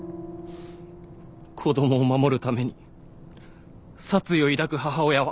子供を守るために殺意を抱く母親は。